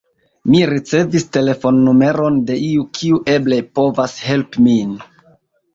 Mi ricevis telefonnumeron de iu, kiu eble povas helpi min.